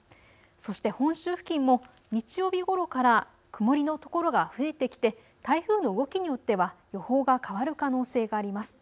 そして本州付近も日曜日ごろから曇りのところが増えてきて台風の動きによっては予報が変わる可能性があります。